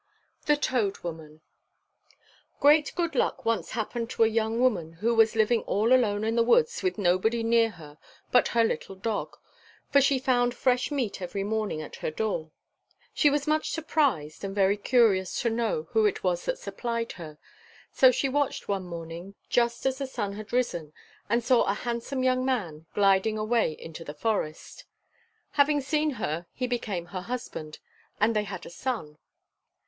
THE TOAD WOMAN |GREAT good luck once happened to a young woman who was living all alone in the woods with nobody near her but her little dog; for she found fresh meat every morning at her door. She was much surprised and very curious to know who it was that supplied her. So she watched one morning, just as the sun had risen, and saw a handsome young man gliding away into the forest. Having seen her, he became her husband, and they had a son.